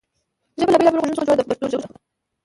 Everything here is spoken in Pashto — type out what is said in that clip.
ژبه له بېلابېلو غږونو څخه جوړه ده په پښتو ژبه.